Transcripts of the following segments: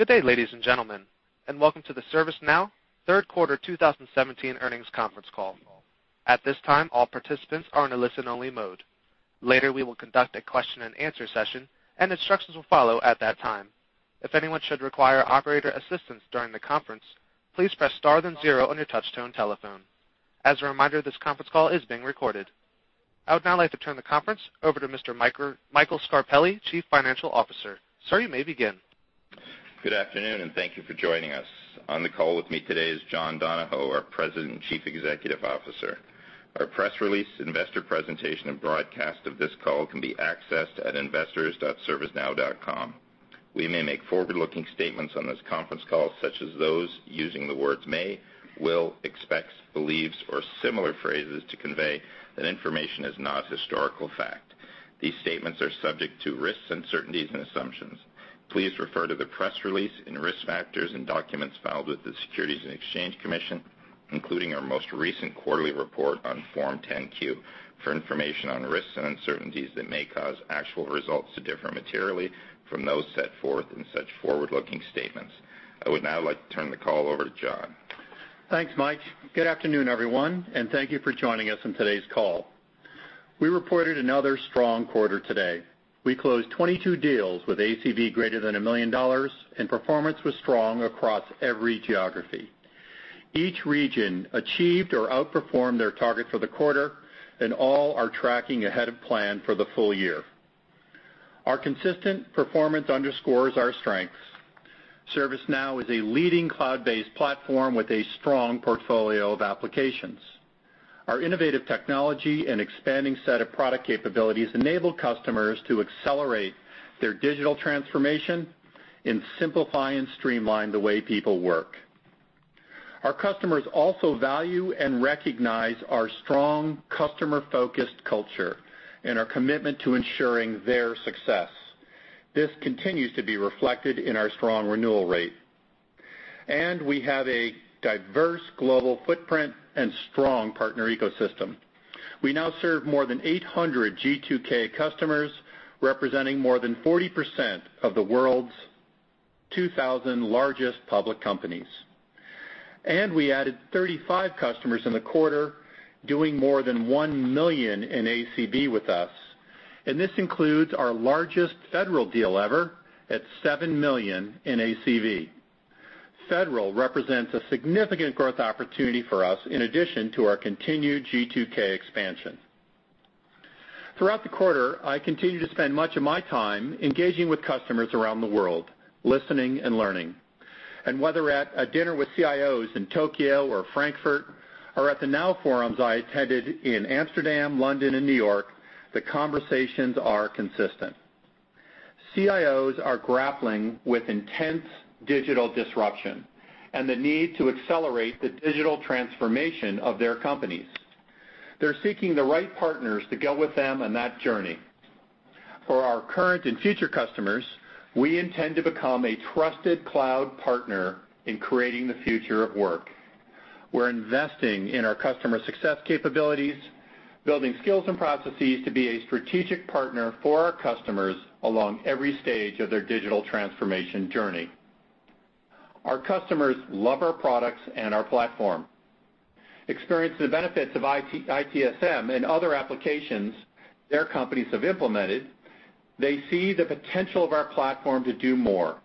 Good day, ladies and gentlemen, welcome to the ServiceNow third quarter 2017 earnings conference call. At this time, all participants are in a listen-only mode. Later, we will conduct a question and answer session, and instructions will follow at that time. If anyone should require operator assistance during the conference, please press star then zero on your touch-tone telephone. As a reminder, this conference call is being recorded. I would now like to turn the conference over to Mr. Michael Scarpelli, Chief Financial Officer. Sir, you may begin. Good afternoon, thank you for joining us. On the call with me today is John Donahoe, our President and Chief Executive Officer. Our press release, investor presentation, and broadcast of this call can be accessed at investors.servicenow.com. We may make forward-looking statements on this conference call, such as those using the words may, will, expects, believes, or similar phrases to convey that information is not historical fact. These statements are subject to risks, uncertainties, and assumptions. Please refer to the press release and risk factors and documents filed with the Securities and Exchange Commission, including our most recent quarterly report on Form 10-Q, for information on risks and uncertainties that may cause actual results to differ materially from those set forth in such forward-looking statements. I would now like to turn the call over to John. Thanks, Mike. Good afternoon, everyone, thank you for joining us on today's call. We reported another strong quarter today. We closed 22 deals with ACV greater than $1 million, performance was strong across every geography. Each region achieved or outperformed their target for the quarter, all are tracking ahead of plan for the full year. Our consistent performance underscores our strengths. ServiceNow is a leading cloud-based platform with a strong portfolio of applications. Our innovative technology and expanding set of product capabilities enable customers to accelerate their digital transformation and simplify and streamline the way people work. Our customers also value and recognize our strong customer-focused culture and our commitment to ensuring their success. This continues to be reflected in our strong renewal rate. We have a diverse global footprint and strong partner ecosystem. We now serve more than 800 G2K customers, representing more than 40% of the world's 2,000 largest public companies. We added 35 customers in the quarter doing more than $1 million in ACV with us, this includes our largest Federal deal ever at $7 million in ACV. Federal represents a significant growth opportunity for us in addition to our continued G2K expansion. Throughout the quarter, I continued to spend much of my time engaging with customers around the world, listening and learning. Whether at a dinner with CIOs in Tokyo or Frankfurt or at the Now Forums I attended in Amsterdam, London, and New York, the conversations are consistent. CIOs are grappling with intense digital disruption and the need to accelerate the digital transformation of their companies. They're seeking the right partners to go with them on that journey. For our current and future customers, we intend to become a trusted cloud partner in creating the future of work. We're investing in our customer success capabilities, building skills and processes to be a strategic partner for our customers along every stage of their digital transformation journey. Our customers love our products and our platform. Experience the benefits of ITSM and other applications their companies have implemented, they see the potential of our platform to do more.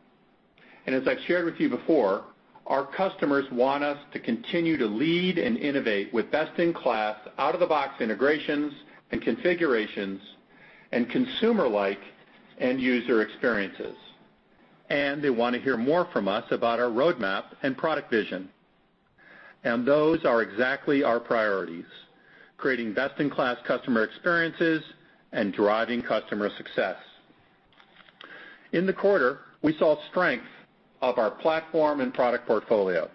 As I've shared with you before, our customers want us to continue to lead and innovate with best-in-class, out-of-the-box integrations and configurations and consumer-like end user experiences. They want to hear more from us about our roadmap and product vision. Those are exactly our priorities, creating best-in-class customer experiences and driving customer success. In the quarter, we saw strength of our platform and product portfolio.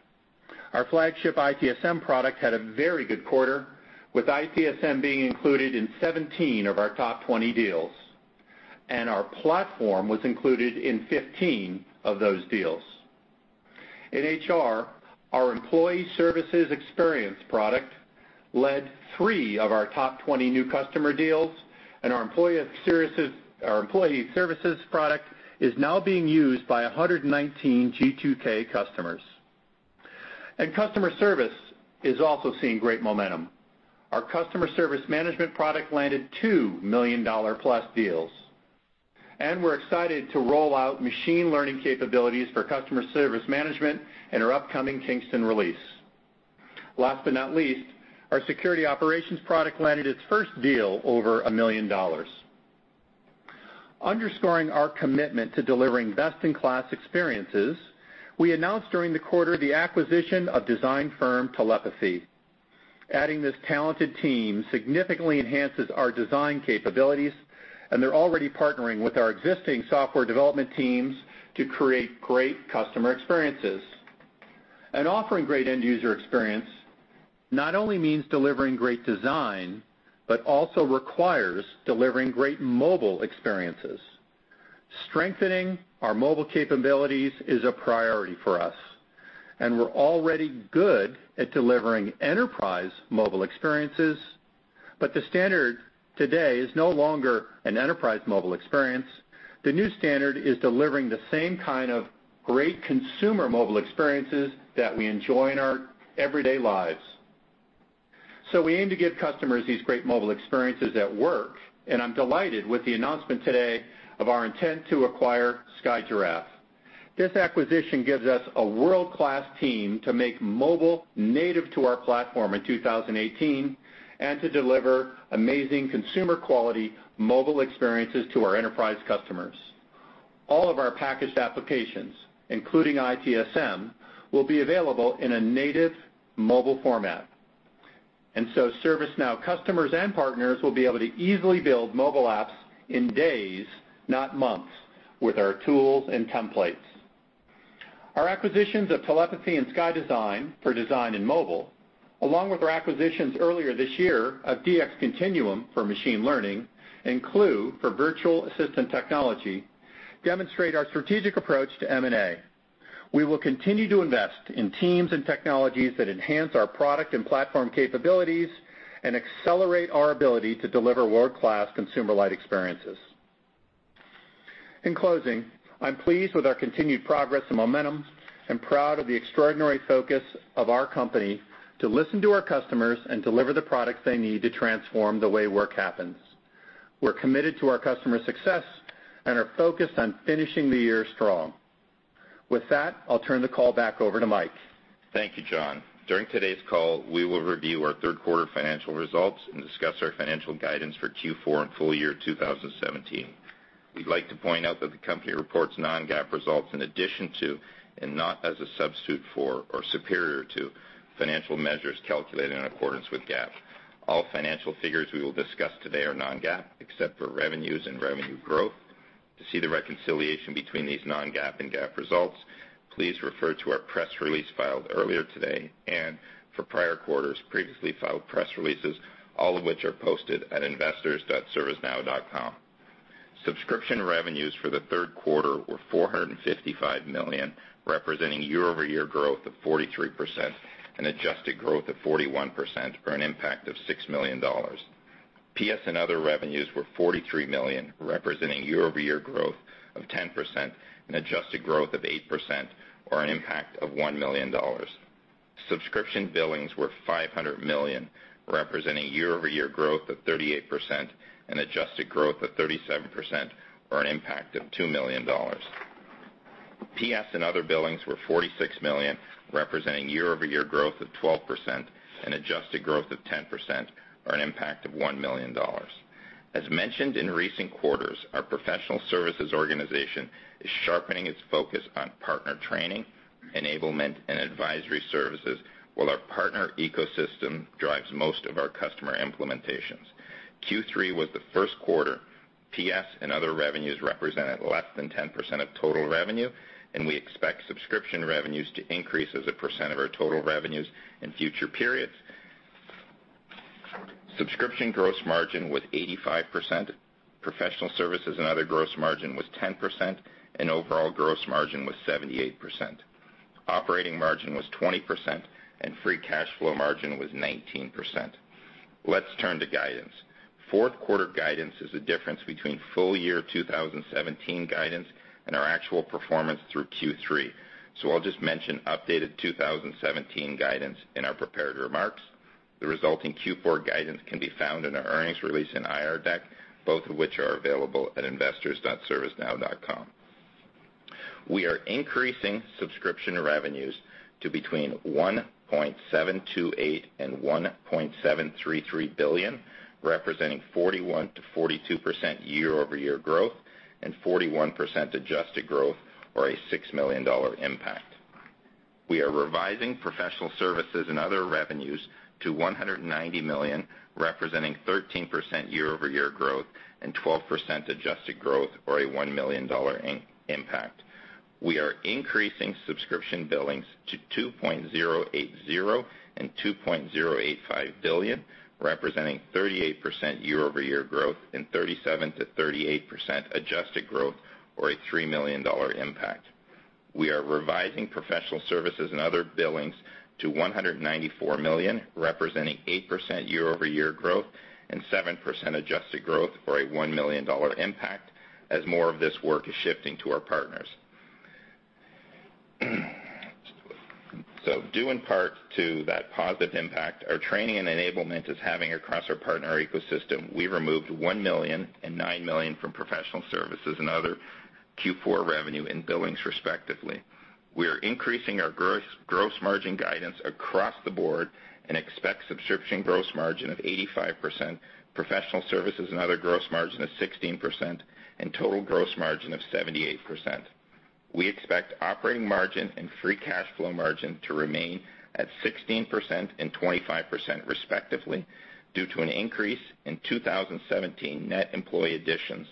Our flagship ITSM product had a very good quarter, with ITSM being included in 17 of our top 20 deals, and our platform was included in 15 of those deals. In HR, our employee services experience product led three of our top 20 new customer deals, and our employee services product is now being used by 119 G2K customers. Customer service is also seeing great momentum. Our Customer Service Management product landed two million-dollar-plus deals, and we're excited to roll out machine learning capabilities for Customer Service Management in our upcoming Kingston release. Last but not least, our Security Operations product landed its first deal over $1 million. Underscoring our commitment to delivering best-in-class experiences, we announced during the quarter the acquisition of design firm Telepathy. Adding this talented team significantly enhances our design capabilities, and they're already partnering with our existing software development teams to create great customer experiences. Offering great end-user experience not only means delivering great design, but also requires delivering great mobile experiences. Strengthening our mobile capabilities is a priority for us. We're already good at delivering enterprise mobile experiences. The standard today is no longer an enterprise mobile experience. The new standard is delivering the same kind of great consumer mobile experiences that we enjoy in our everyday lives. We aim to give customers these great mobile experiences at work, and I'm delighted with the announcement today of our intent to acquire SkyGiraffe. This acquisition gives us a world-class team to make mobile native to our platform in 2018, and to deliver amazing consumer-quality mobile experiences to our enterprise customers. All of our packaged applications, including ITSM, will be available in a native mobile format. ServiceNow customers and partners will be able to easily build mobile apps in days, not months, with our tools and templates. Our acquisitions of Telepathy and SkyGiraffe for design and mobile, along with our acquisitions earlier this year of DxContinuum for machine learning and Qlue for virtual assistant technology, demonstrate our strategic approach to M&A. We will continue to invest in teams and technologies that enhance our product and platform capabilities and accelerate our ability to deliver world-class consumer-lite experiences. In closing, I'm pleased with our continued progress and momentum and proud of the extraordinary focus of our company to listen to our customers and deliver the products they need to transform the way work happens. We're committed to our customers' success and are focused on finishing the year strong. With that, I'll turn the call back over to Michael. Thank you, John. During today's call, we will review our third quarter financial results and discuss our financial guidance for Q4 and full year 2017. We'd like to point out that the company reports non-GAAP results in addition to, and not as a substitute for or superior to, financial measures calculated in accordance with GAAP. All financial figures we will discuss today are non-GAAP, except for revenues and revenue growth. To see the reconciliation between these non-GAAP and GAAP results, please refer to our press release filed earlier today and, for prior quarters, previously filed press releases, all of which are posted at investors.servicenow.com. Subscription revenues for the third quarter were $455 million, representing year-over-year growth of 43% and adjusted growth of 41%, or an impact of $6 million. PS and other revenues were $43 million, representing year-over-year growth of 10% and adjusted growth of 8%, or an impact of $1 million. Subscription billings were $500 million, representing year-over-year growth of 38% and adjusted growth of 37%, or an impact of $2 million. PS and other billings were $46 million, representing year-over-year growth of 12% and adjusted growth of 10%, or an impact of $1 million. As mentioned in recent quarters, our professional services organization is sharpening its focus on partner training, enablement, and advisory services while our partner ecosystem drives most of our customer implementations. Q3 was the first quarter PS and other revenues represented less than 10% of total revenue, and we expect subscription revenues to increase as a percent of our total revenues in future periods. Subscription gross margin was 85%, professional services and other gross margin was 10%, and overall gross margin was 78%. Operating margin was 20%, and free cash flow margin was 19%. Let's turn to guidance. Fourth quarter guidance is the difference between full year 2017 guidance and our actual performance through Q3. I'll just mention updated 2017 guidance in our prepared remarks. The resulting Q4 guidance can be found in our earnings release and IR deck, both of which are available at investors.servicenow.com. We are increasing subscription revenues to between $1.728 billion and $1.733 billion, representing 41%-42% year-over-year growth and 41% adjusted growth, or a $6 million impact. We are revising professional services and other revenues to $190 million, representing 13% year-over-year growth and 12% adjusted growth, or a $1 million impact. We are increasing subscription billings to $2.080 billion and $2.085 billion, representing 38% year-over-year growth and 37%-38% adjusted growth, or a $3 million impact. We are revising professional services and other billings to $194 million, representing 8% year-over-year growth and 7% adjusted growth, or a $1 million impact, as more of this work is shifting to our partners. Due in part to that positive impact our training and enablement is having across our partner ecosystem, we removed $1 million and $9 million from professional services and other Q4 revenue and billings respectively. We are increasing our gross margin guidance across the board and expect subscription gross margin of 85%, professional services and other gross margin of 16%, and total gross margin of 78%. We expect operating margin and free cash flow margin to remain at 16% and 25% respectively due to an increase in 2017 net employee additions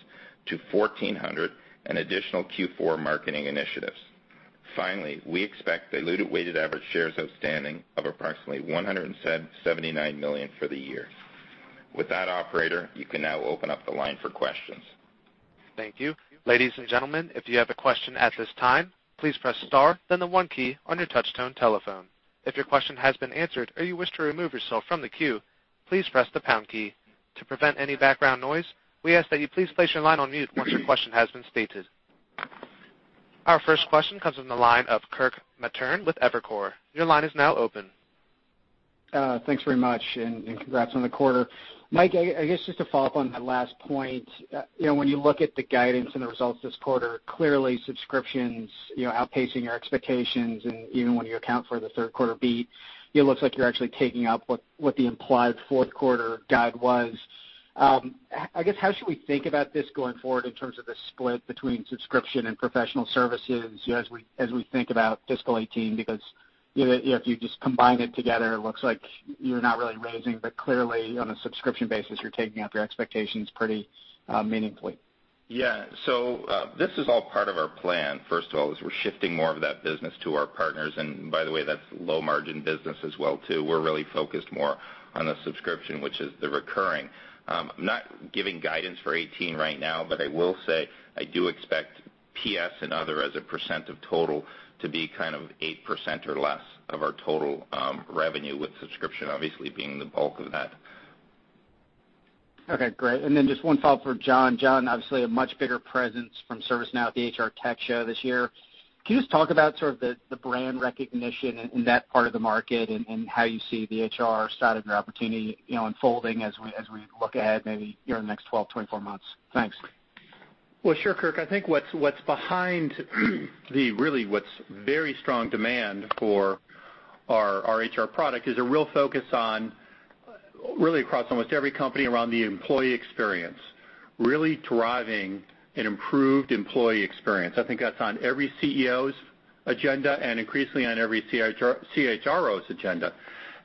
to 1,400 and additional Q4 marketing initiatives. Finally, we expect diluted weighted average shares outstanding of approximately 179 million for the year. With that, operator, you can now open up the line for questions. Thank you. Ladies and gentlemen, if you have a question at this time, please press star then the one key on your touchtone telephone. If your question has been answered or you wish to remove yourself from the queue, please press the pound key. To prevent any background noise, we ask that you please place your line on mute once your question has been stated. Our first question comes from the line of Kirk Materne with Evercore. Your line is now open. Thanks very much. Congrats on the quarter. Mike, I guess just to follow up on that last point, when you look at the guidance and the results this quarter, clearly subscriptions outpacing your expectations and even when you account for the third quarter beat, it looks like you're actually taking up what the implied fourth quarter guide was. I guess, how should we think about this going forward in terms of the split between subscription and professional services as we think about fiscal 2018? Because if you just combine it together, it looks like you're not really raising, but clearly on a subscription basis, you're taking up your expectations pretty meaningfully. Yeah. This is all part of our plan, first of all, is we're shifting more of that business to our partners, and by the way, that's low margin business as well too. We're really focused more on the subscription, which is the recurring. I'm not giving guidance for 2018 right now, I will say I do expect PS and other as a percent of total to be 8% or less of our total revenue, with subscription obviously being the bulk of that. Okay, great. Just one follow-up for John. John, obviously a much bigger presence from ServiceNow at the HR Tech show this year. Can you just talk about the brand recognition in that part of the market and how you see the HR side of your opportunity unfolding as we look ahead maybe during the next 12, 24 months? Thanks. Well, sure, Kirk. I think what's behind what's very strong demand for our HR product is a real focus on really across almost every company around the employee experience, really driving an improved employee experience. I think that's on every CEO's agenda and increasingly on every CHRO's agenda.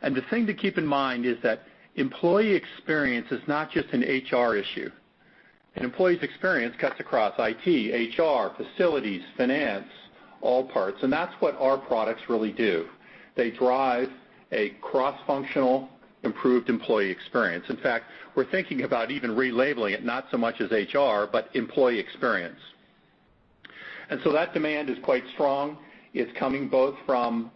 The thing to keep in mind is that employee experience is not just an HR issue. An employee's experience cuts across IT, HR, facilities, finance, all parts, and that's what our products really do. They drive a cross-functional improved employee experience. In fact, we're thinking about even relabeling it, not so much as HR, but employee experience. That demand is quite strong. It's coming both from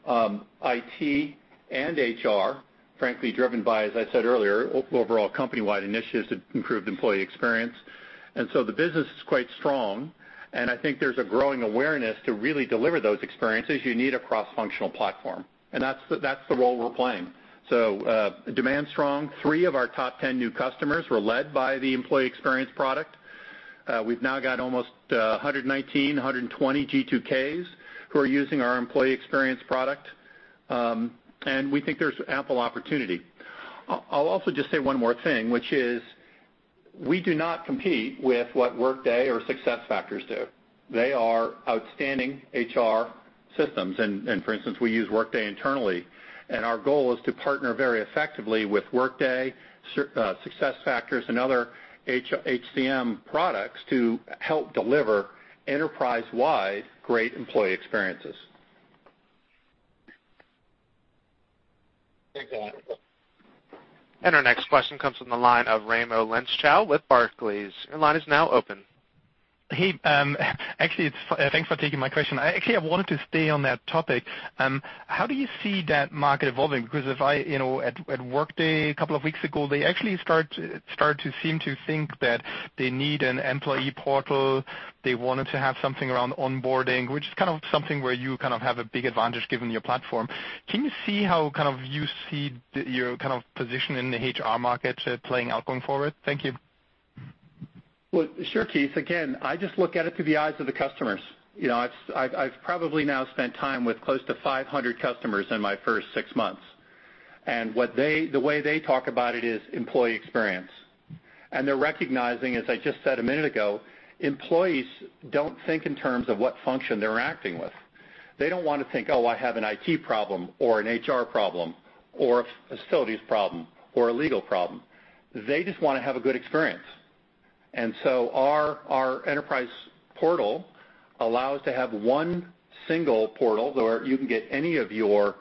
IT and HR, frankly, driven by, as I said earlier, overall company-wide initiatives to improve employee experience. The business is quite strong, and I think there's a growing awareness to really deliver those experiences, you need a cross-functional platform. That's the role we're playing. Demand's strong. Three of our top 10 new customers were led by the employee experience product. We've now got almost 119, 120 G2Ks who are using our employee experience product. We think there's ample opportunity. I'll also just say one more thing, which is we do not compete with what Workday or SuccessFactors do. They are outstanding HR systems. For instance, we use Workday internally, and our goal is to partner very effectively with Workday, SuccessFactors, and other HCM products to help deliver enterprise-wide great employee experiences. Thanks a lot. Our next question comes from the line of Raimo Lenschow with Barclays. Your line is now open. Hey. Actually, thanks for taking my question. Actually, I wanted to stay on that topic. How do you see that market evolving? Because at Workday a couple of weeks ago, they actually started to seem to think that they need an employee portal. They wanted to have something around onboarding, which is something where you have a big advantage given your platform. Can you see how you see your position in the HR market playing out going forward? Thank you. Well, sure, Keith. Again, I just look at it through the eyes of the customers. I've probably now spent time with close to 500 customers in my first six months. The way they talk about it is employee experience. They're recognizing, as I just said a minute ago, employees don't think in terms of what function they're acting with. They don't want to think, "Oh, I have an IT problem," or an HR problem, or a facilities problem, or a legal problem. They just want to have a good experience. Our enterprise portal allows to have one single portal where you can get any of your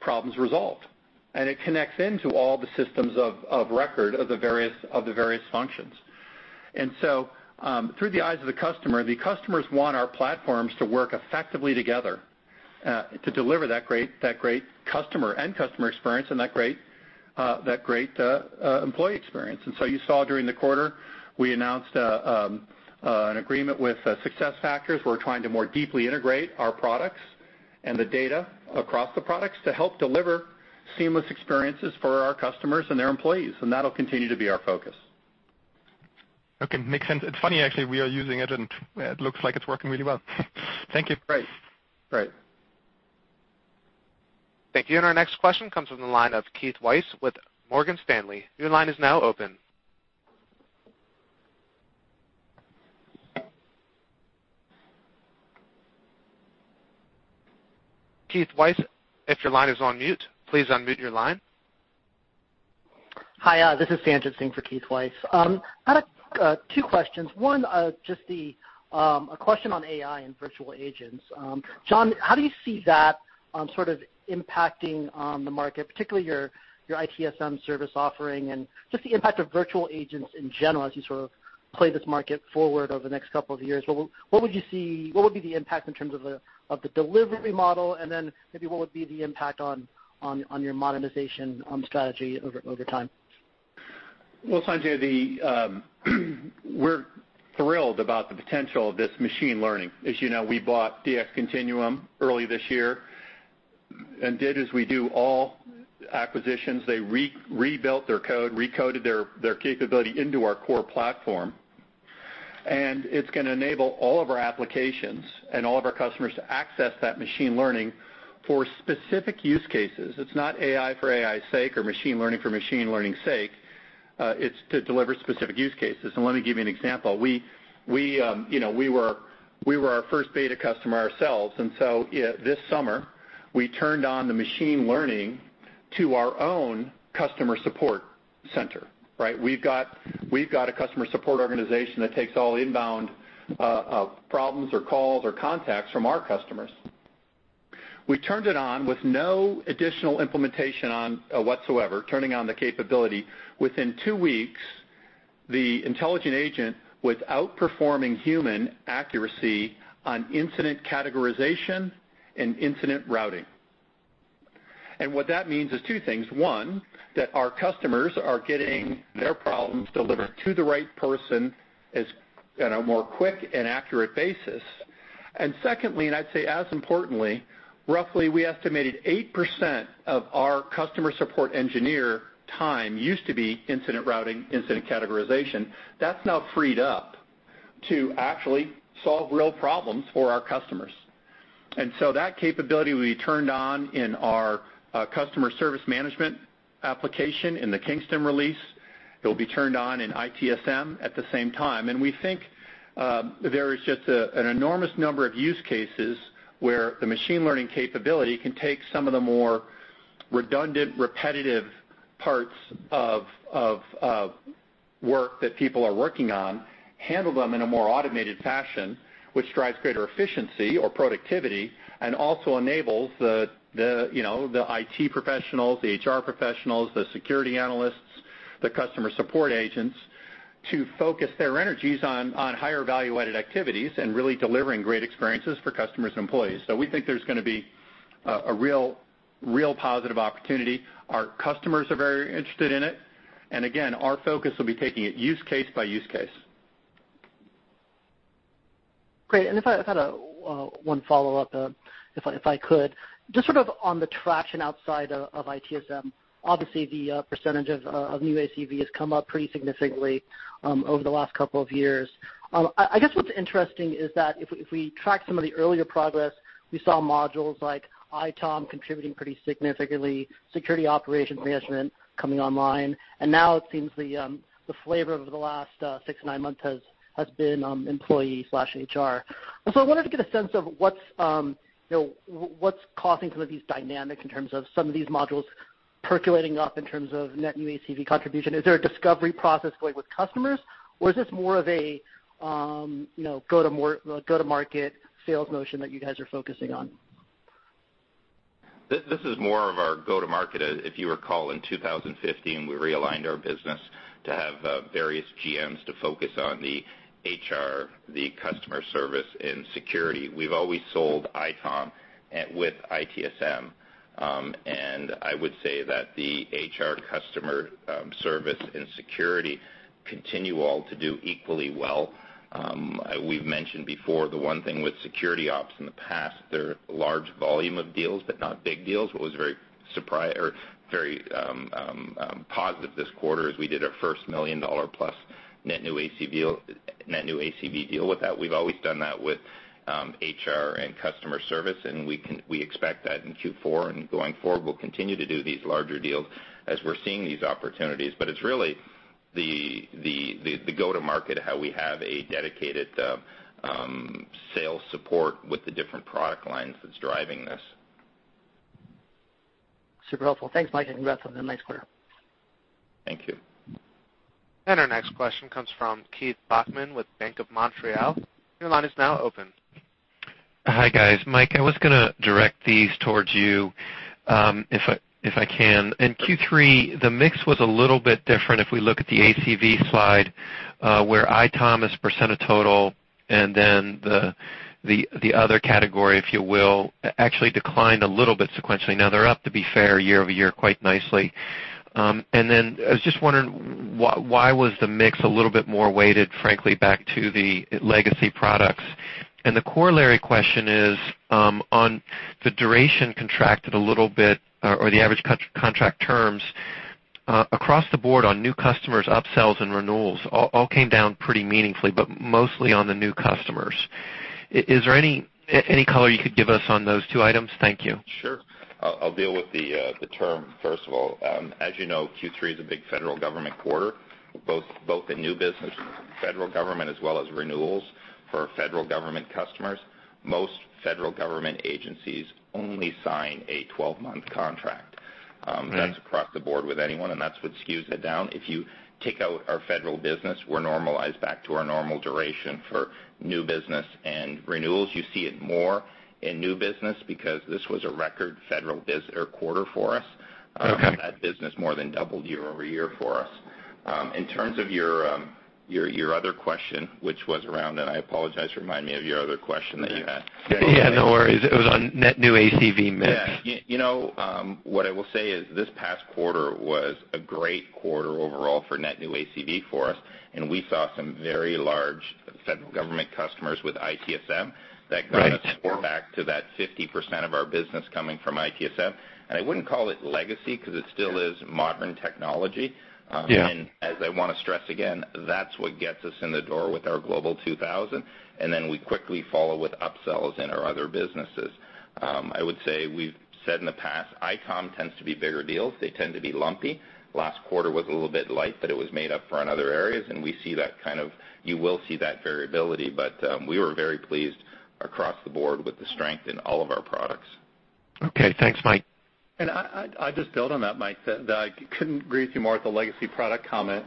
problems resolved, and it connects into all the systems of record of the various functions. Through the eyes of the customer, the customers want our platforms to work effectively together to deliver that great end customer experience and that great employee experience. You saw during the quarter, we announced an agreement with SuccessFactors. We're trying to more deeply integrate our products and the data across the products to help deliver seamless experiences for our customers and their employees, and that'll continue to be our focus. Okay, makes sense. It's funny actually, we are using it, and it looks like it's working really well. Thank you. Great. Thank you. Our next question comes from the line of Keith Weiss with Morgan Stanley. Your line is now open. Keith Weiss, if your line is on mute, please unmute your line. Hi, this is Sanjay Singh for Keith Weiss. I had two questions. One, just a question on AI and virtual agents. John, how do you see that sort of impacting the market, particularly your ITSM service offering and just the impact of virtual agents in general as you sort of play this market forward over the next couple of years? What would be the impact in terms of the delivery model, and then maybe what would be the impact on your monetization strategy over time? Well, Sanjay, we're thrilled about the potential of this machine learning. As you know, we bought DxContinuum early this year, and did as we do all acquisitions. They rebuilt their code, recoded their capability into our core platform. It's going to enable all of our applications and all of our customers to access that machine learning for specific use cases. It's not AI for AI's sake, or machine learning for machine learning's sake. It's to deliver specific use cases, and let me give you an example. We were our first beta customer ourselves, this summer, we turned on the machine learning to our own customer support center. We've got a customer support organization that takes all inbound problems or calls or contacts from our customers. We turned it on with no additional implementation whatsoever, turning on the capability. Within two weeks, the intelligent agent was outperforming human accuracy on incident categorization and incident routing. What that means is two things. One, that our customers are getting their problems delivered to the right person in a more quick and accurate basis. Secondly, I'd say as importantly, roughly, we estimated 8% of our customer support engineer time used to be incident routing, incident categorization. That's now freed up to actually solve real problems for our customers. That capability will be turned on in our Customer Service Management application in the Kingston release. It'll be turned on in ITSM at the same time. We think there is just an enormous number of use cases where the machine learning capability can take some of the more redundant, repetitive parts of work that people are working on, handle them in a more automated fashion, which drives greater efficiency or productivity, and also enables the IT professionals, the HR professionals, the security analysts, the customer support agents to focus their energies on higher value-added activities and really delivering great experiences for customers and employees. We think there's going to be a real positive opportunity. Our customers are very interested in it. Again, our focus will be taking it use case by use case. Great. If I had one follow-up, if I could, just sort of on the traction outside of ITSM, obviously the percentage of new ACV has come up pretty significantly over the last couple of years. I guess what's interesting is that if we track some of the earlier progress, we saw modules like ITOM contributing pretty significantly, Security Operations coming online, and now it seems the flavor over the last six to nine months has been employee/HR. I wanted to get a sense of what's causing some of these dynamics in terms of some of these modules percolating up in terms of net new ACV contribution. Is there a discovery process going with customers, or is this more of a go-to-market sales motion that you guys are focusing on? This is more of our go-to-market. If you recall, in 2015, we realigned our business to have various GMs to focus on the HR, the Customer Service, and Security. We've always sold ITOM with ITSM, and I would say that the HR, Customer Service and Security continue all to do equally well. We've mentioned before the one thing with Security ops in the past, they're a large volume of deals, but not big deals. What was very positive this quarter is we did our first $1 million-plus net new ACV deal with that. We've always done that with HR and Customer Service, and we expect that in Q4 and going forward, we'll continue to do these larger deals as we're seeing these opportunities. It's really the go-to-market, how we have a dedicated sales support with the different product lines that's driving this. Super helpful. Thanks, Mike, and congrats on a nice quarter. Thank you. Our next question comes from Keith Bachman with BMO Capital Markets. Your line is now open. Hi, guys. Mike, I was going to direct these towards you, if I can. In Q3, the mix was a little bit different if we look at the ACV slide, where ITOM as % of total and then the other category, if you will, actually declined a little bit sequentially. They're up, to be fair, year-over-year quite nicely. I was just wondering why was the mix a little bit more weighted, frankly, back to the legacy products? The corollary question is, on the duration contracted a little bit, or the average contract terms, across the board on new customers, upsells, and renewals all came down pretty meaningfully, but mostly on the new customers. Is there any color you could give us on those two items? Thank you. Sure. I'll deal with the term first of all. As you know, Q3 is a big federal government quarter. Both the new business federal government as well as renewals for federal government customers. Most federal government agencies only sign a 12-month contract. That's across the board with anyone, that's what skews it down. If you take out our federal business, we're normalized back to our normal duration for new business and renewals. You see it more in new business because this was a record federal business quarter for us. Okay. That business more than doubled year-over-year for us. In terms of your other question, which was around I apologize, remind me of your other question that you had. Yeah, no worries. It was on net new ACV mix. Yeah. What I will say is this past quarter was a great quarter overall for net new ACV for us, and we saw some very large federal government customers with ITSM- Right that got us more back to that 50% of our business coming from ITSM. I wouldn't call it legacy because it still is modern technology. Yeah. As I want to stress again, that's what gets us in the door with our Global 2000, and then we quickly follow with upsells in our other businesses. I would say we've said in the past, ITOM tends to be bigger deals. They tend to be lumpy. Last quarter was a little bit light, but it was made up for in other areas, you will see that variability, but we were very pleased across the board with the strength in all of our products. Okay. Thanks, Mike. I'll just build on that, Mike, that I couldn't agree with you more with the legacy product comment,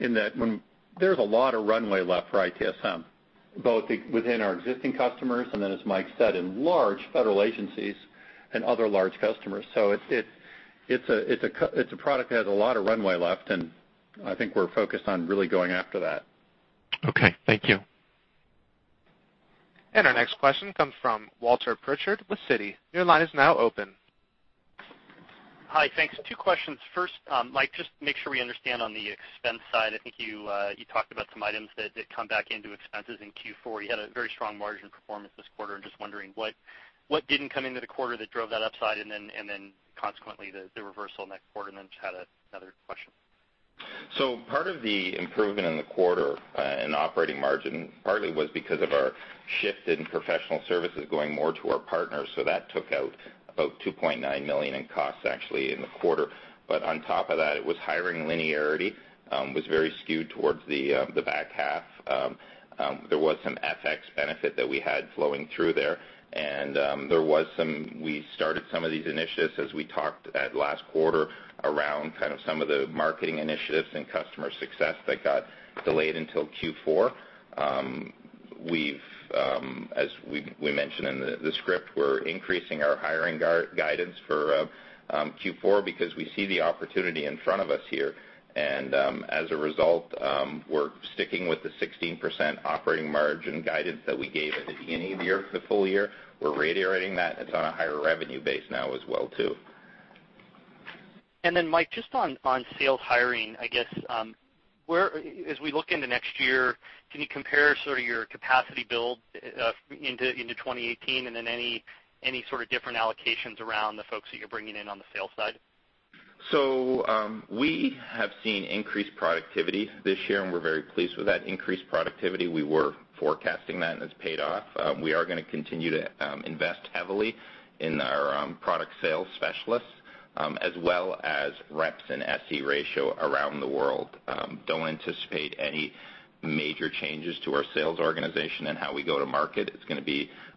in that when there's a lot of runway left for ITSM, both within our existing customers, and then as Mike said, in large federal agencies and other large customers. It's a product that has a lot of runway left, and I think we're focused on really going after that. Okay. Thank you. Our next question comes from Walter Pritchard with Citi. Your line is now open. Hi, thanks. Two questions. First, Mike, just to make sure we understand on the expense side, I think you talked about some items that come back into expenses in Q4. You had a very strong margin performance this quarter, and just wondering what didn't come into the quarter that drove that upside, then consequently, the reversal next quarter. Just had another question. Part of the improvement in the quarter in operating margin partly was because of our shift in professional services going more to our partners. That took out about $2.9 million in costs actually in the quarter. On top of that, it was hiring linearity, was very skewed towards the back half. There was some FX benefit that we had flowing through there. We started some of these initiatives as we talked at last quarter around some of the marketing initiatives and customer success that got delayed until Q4. As we mentioned in the script, we're increasing our hiring guidance for Q4 because we see the opportunity in front of us here. As a result, we're sticking with the 16% operating margin guidance that we gave at the beginning of the year for the full year. We're reiterating that. It's on a higher revenue base now as well, too. Mike, just on sales hiring, I guess, as we look into next year, can you compare sort of your capacity build into 2018? Any sort of different allocations around the folks that you're bringing in on the sales side? We have seen increased productivity this year, and we're very pleased with that increased productivity. We were forecasting that, and it's paid off. We are going to continue to invest heavily in our product sales specialists, as well as reps and SE ratio around the world. Don't anticipate any major changes to our sales organization and how we go to market.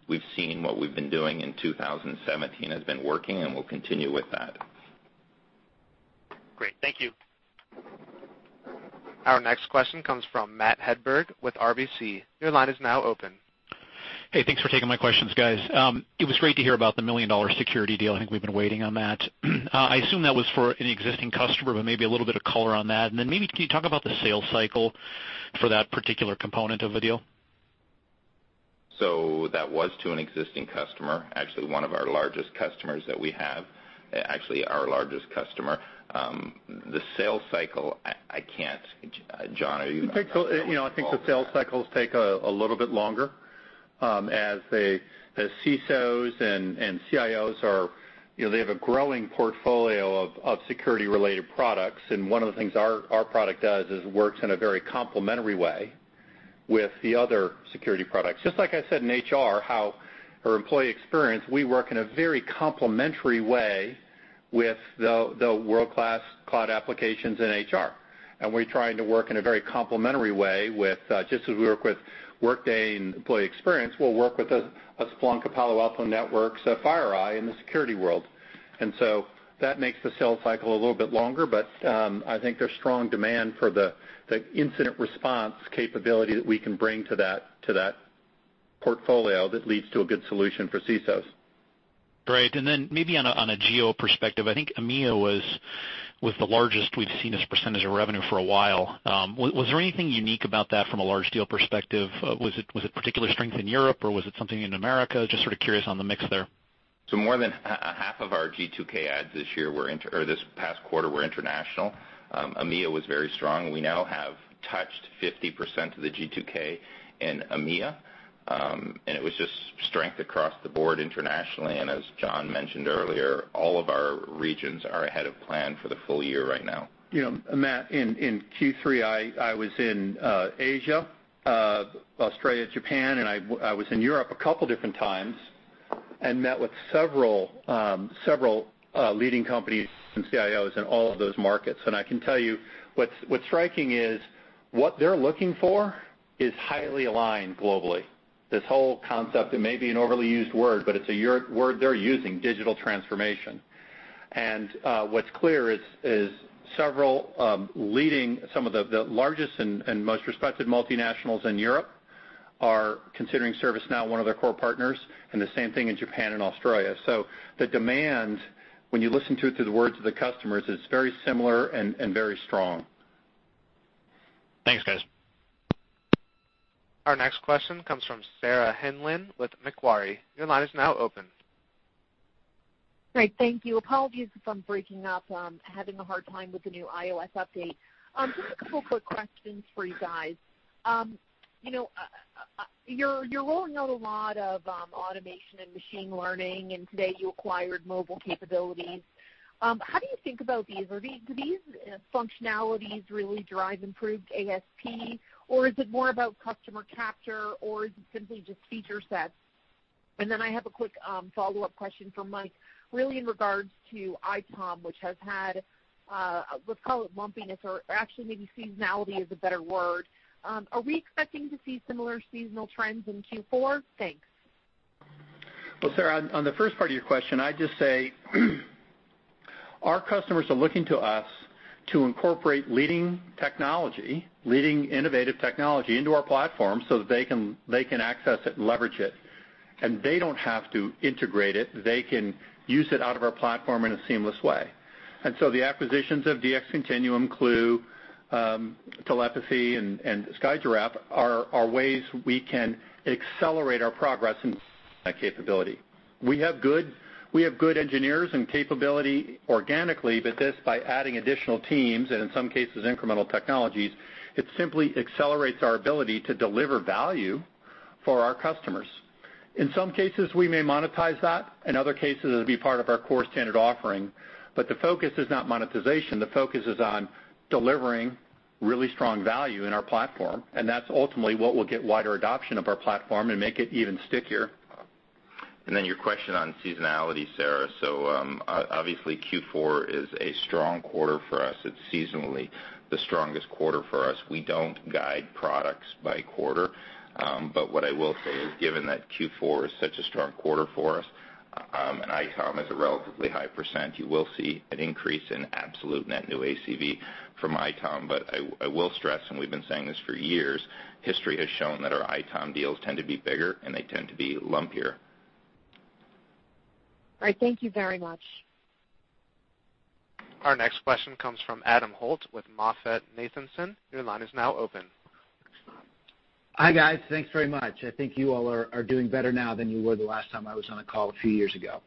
We've seen what we've been doing in 2017 has been working, and we'll continue with that. Great. Thank you. Our next question comes from Matthew Hedberg with RBC. Your line is now open. Hey, thanks for taking my questions, guys. It was great to hear about the million-dollar security deal. I think we've been waiting on that. I assume that was for an existing customer, but maybe a little bit of color on that. Maybe can you talk about the sales cycle for that particular component of the deal? That was to an existing customer, actually one of our largest customers that we have. Actually, our largest customer. The sales cycle, I can't John, are you involved in that? I think the sales cycles take a little bit longer. As CSOs and CIOs have a growing portfolio of security-related products, one of the things our product does is works in a very complementary way with the other security products. Just like I said in HR, how our employee experience, we work in a very complementary way with the world-class cloud applications in HR. We're trying to work in a very complementary way with, just as we work with Workday and employee experience, we'll work with a Splunk, a Palo Alto Networks, a FireEye in the security world. That makes the sales cycle a little bit longer, but I think there's strong demand for the incident response capability that we can bring to that portfolio that leads to a good solution for CSOs. Great. Maybe on a geo perspective, I think EMEA was the largest we've seen as % of revenue for a while. Was there anything unique about that from a large deal perspective? Was it particular strength in Europe, or was it something in America? Just sort of curious on the mix there. More than half of our G2K adds this year or this past quarter were international. EMEA was very strong. We now have touched 50% of the G2K in EMEA. It was just strength across the board internationally. As John mentioned earlier, all of our regions are ahead of plan for the full year right now. Matt, in Q3, I was in Asia, Australia, Japan, and I was in Europe a couple different times. Met with several leading companies and CIOs in all of those markets. I can tell you what's striking is what they're looking for is highly aligned globally. This whole concept, it may be an overly used word, but it's a word they're using, digital transformation. What's clear is several leading, some of the largest and most respected multinationals in Europe are considering ServiceNow one of their core partners, and the same thing in Japan and Australia. The demand, when you listen to it through the words of the customers, is very similar and very strong. Thanks, guys. Our next question comes from Sarah Hindlian with Macquarie. Your line is now open. Great, thank you. Apologies if I'm breaking up. I'm having a hard time with the new iOS update. Just a couple of quick questions for you guys. You're rolling out a lot of automation and machine learning. Today you acquired mobile capabilities. How do you think about these? Do these functionalities really drive improved ASP, or is it more about customer capture, or is it simply just feature sets? I have a quick follow-up question for Mike, really in regards to ITOM, which has had, let's call it lumpiness, or actually maybe seasonality is a better word. Are we expecting to see similar seasonal trends in Q4? Thanks. Sarah, on the first part of your question, I'd just say our customers are looking to us to incorporate leading technology, leading innovative technology into our platform so that they can access it and leverage it. They don't have to integrate it. They can use it out of our platform in a seamless way. The acquisitions of DxContinuum, Qlue, Telepathy and SkyGiraffe are ways we can accelerate our progress in that capability. We have good engineers and capability organically. This, by adding additional teams, and in some cases, incremental technologies, it simply accelerates our ability to deliver value for our customers. In some cases, we may monetize that. In other cases, it'll be part of our core standard offering. The focus is not monetization. The focus is on delivering really strong value in our platform. That's ultimately what will get wider adoption of our platform and make it even stickier. Your question on seasonality, Sarah Hindlian. Obviously Q4 is a strong quarter for us. It's seasonally the strongest quarter for us. We don't guide products by quarter. What I will say is, given that Q4 is such a strong quarter for us, and ITOM is a relatively high percent, you will see an increase in absolute net new ACV from ITOM. I will stress, and we've been saying this for years, history has shown that our ITOM deals tend to be bigger and they tend to be lumpier. All right. Thank you very much. Our next question comes from Adam Holt with MoffettNathanson. Your line is now open. Hi, guys. Thanks very much. I think you all are doing better now than you were the last time I was on a call a few years ago.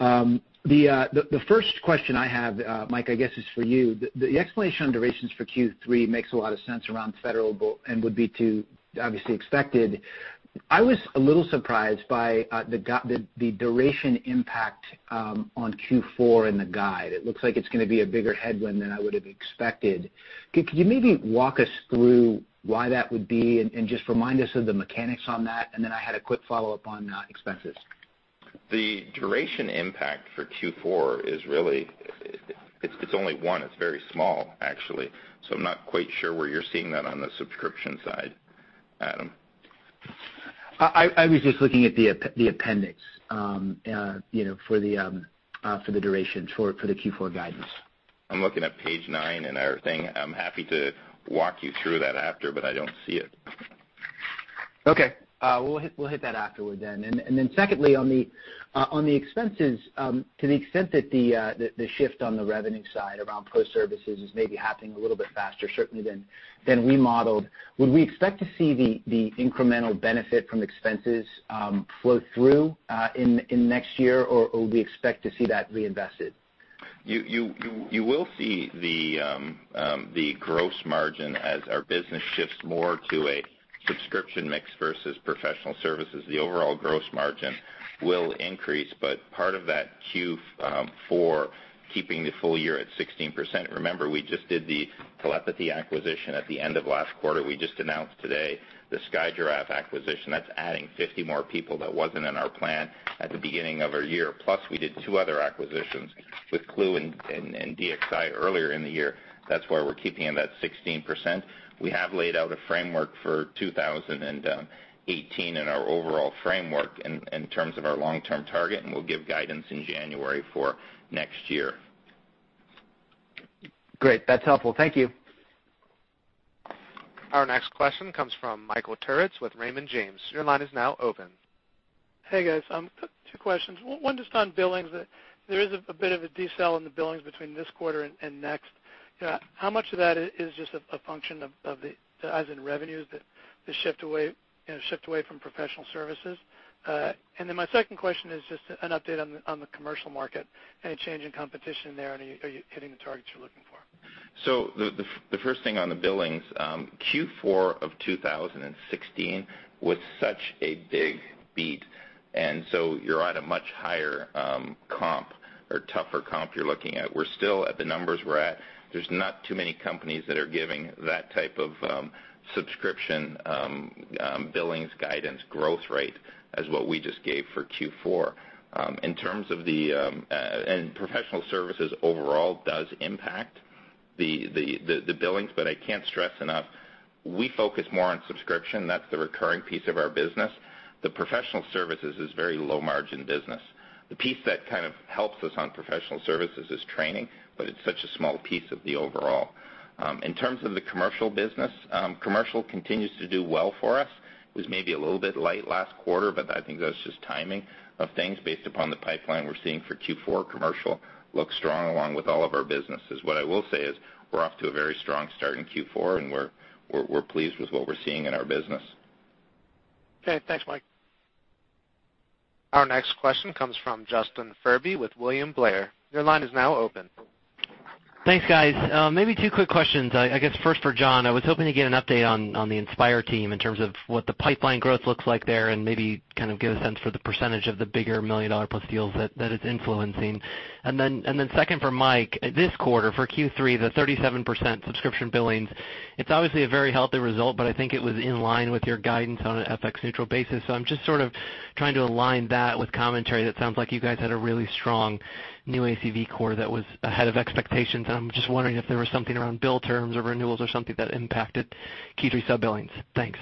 The first question I have, Mike, I guess is for you. The explanation on durations for Q3 makes a lot of sense around federal and would be obviously expected. I was a little surprised by the duration impact on Q4 in the guide. It looks like it's going to be a bigger headwind than I would have expected. Could you maybe walk us through why that would be and just remind us of the mechanics on that? Then I had a quick follow-up on expenses. The duration impact for Q4 is really, it's only one. It's very small, actually. I'm not quite sure where you're seeing that on the subscription side, Adam. I was just looking at the appendix for the duration for the Q4 guidance. I'm looking at page nine and everything. I'm happy to walk you through that after, but I don't see it. Okay. We'll hit that afterward then. Secondly, on the expenses, to the extent that the shift on the revenue side around pro services is maybe happening a little bit faster certainly than we modeled, would we expect to see the incremental benefit from expenses flow through in next year, or we expect to see that reinvested? You will see the gross margin as our business shifts more to a subscription mix versus professional services. The overall gross margin will increase, but part of that Q4, keeping the full year at 16%. Remember, we just did the Telepathy acquisition at the end of last quarter. We just announced today the SkyGiraffe acquisition. That's adding 50 more people that wasn't in our plan at the beginning of our year. We did two other acquisitions with Qlue and DxContinuum earlier in the year. That's why we're keeping it at 16%. We have laid out a framework for 2018 in our overall framework in terms of our long-term target, We'll give guidance in January for next year. Great. That's helpful. Thank you. Our next question comes from Michael Turits with Raymond James. Your line is now open. Hey, guys. Two questions. One just on billings. There is a bit of a decel in the billings between this quarter and next. How much of that is just a function of the, as in revenues, the shift away from professional services? My second question is just an update on the commercial market and a change in competition there. Are you hitting the targets you're looking for? The first thing on the billings, Q4 of 2016 was such a big beat, and so you're at a much higher comp. Tougher comp you're looking at. We're still at the numbers we're at. There's not too many companies that are giving that type of subscription billings guidance growth rate as what we just gave for Q4. Professional services overall does impact the billings, but I can't stress enough, we focus more on subscription. That's the recurring piece of our business. The professional services is very low margin business. The piece that kind of helps us on professional services is training, but it's such a small piece of the overall. In terms of the commercial business, commercial continues to do well for us. It was maybe a little bit light last quarter, but I think that was just timing of things based upon the pipeline we're seeing for Q4 commercial looks strong along with all of our businesses. What I will say is we're off to a very strong start in Q4, and we're pleased with what we're seeing in our business. Okay, thanks, Mike. Our next question comes from Justin Furby with William Blair. Your line is now open. Thanks, guys. Maybe two quick questions. I guess first for John, I was hoping to get an update on the Inspire team in terms of what the pipeline growth looks like there and maybe kind of give a sense for the percentage of the bigger million-dollar-plus deals that it's influencing. Then second for Mike, this quarter for Q3, the 37% subscription billings, it's obviously a very healthy result, but I think it was in line with your guidance on an FX neutral basis. I'm just sort of trying to align that with commentary that sounds like you guys had a really strong new ACV core that was ahead of expectations, and I'm just wondering if there was something around bill terms or renewals or something that impacted Q3 sub-billings. Thanks.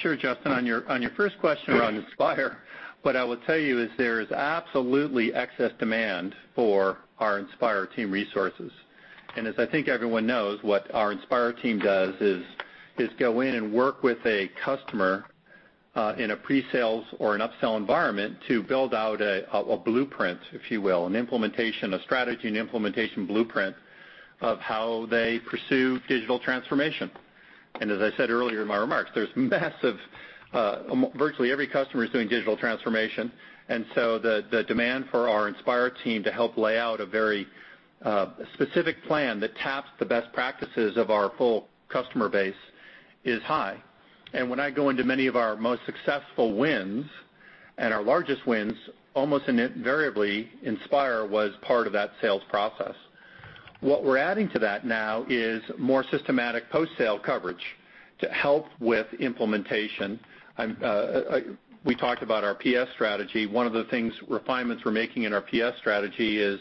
Sure, Justin. On your first question around Inspire, what I will tell you is there is absolutely excess demand for our Inspire team resources. As I think everyone knows, what our Inspire team does is go in and work with a customer, in a pre-sales or an up-sell environment to build out a blueprint, if you will, an implementation, a strategy and implementation blueprint of how they pursue digital transformation. As I said earlier in my remarks, Virtually every customer is doing digital transformation, the demand for our Inspire team to help lay out a very specific plan that taps the best practices of our full customer base is high. When I go into many of our most successful wins and our largest wins, almost invariably Inspire was part of that sales process. What we're adding to that now is more systematic post-sale coverage to help with implementation. We talked about our PS strategy. One of the refinements we're making in our PS strategy is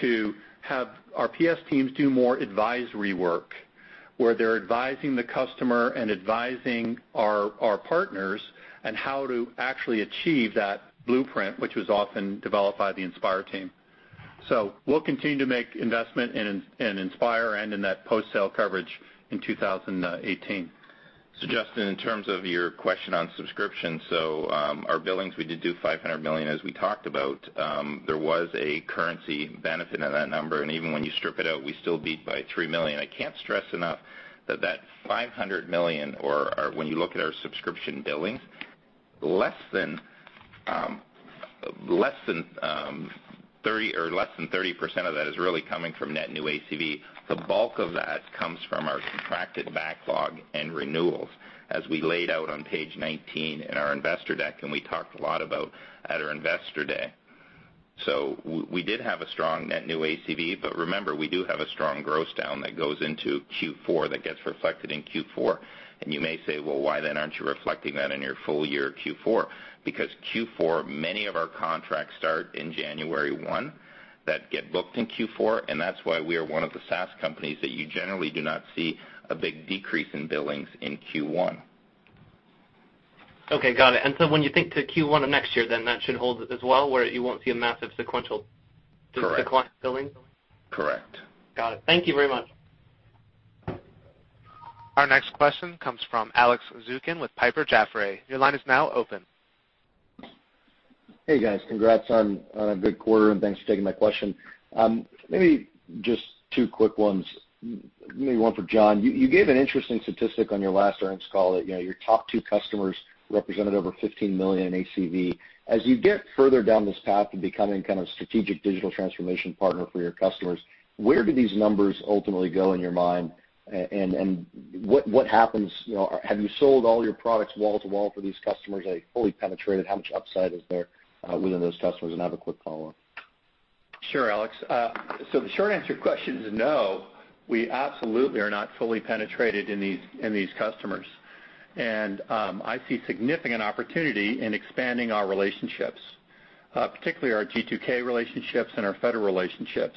to have our PS teams do more advisory work, where they're advising the customer and advising our partners on how to actually achieve that blueprint, which was often developed by the Inspire team. We'll continue to make investment in Inspire and in that post-sale coverage in 2018. Justin, in terms of your question on subscription, our billings, we did do $500 million as we talked about. There was a currency benefit in that number, even when you strip it out, we still beat by $3 million. I can't stress enough that that $500 million or when you look at our subscription billings, less than 30% of that is really coming from net new ACV. The bulk of that comes from our contracted backlog and renewals as we laid out on page 19 in our investor deck, we talked a lot about at our investor day. We did have a strong net new ACV, but remember, we do have a strong gross down that goes into Q4 that gets reflected in Q4. You may say, "Well, why then aren't you reflecting that in your full year Q4?" Because Q4, many of our contracts start in January 1 that get booked in Q4, that's why we are one of the SaaS companies that you generally do not see a big decrease in billings in Q1. Okay, got it. When you think to Q1 of next year, then that should hold as well, where you won't see a massive sequential- Correct decline in billings? Correct. Got it. Thank you very much. Our next question comes from Alex Zukin with Piper Jaffray. Your line is now open. Hey, guys. Congrats on a good quarter. Thanks for taking my question. Just two quick ones, maybe one for John. You gave an interesting statistic on your last earnings call that your top two customers represented over $15 million in ACV. As you get further down this path to becoming kind of strategic digital transformation partner for your customers, where do these numbers ultimately go in your mind? What happens, have you sold all your products wall to wall for these customers, fully penetrated? How much upside is there within those customers? I have a quick follow-up. Sure, Alex. The short answer question is no. We absolutely are not fully penetrated in these customers. I see significant opportunity in expanding our relationships, particularly our G2K relationships and our federal relationships.